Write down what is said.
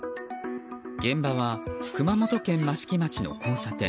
現場は熊本県益城町の交差点。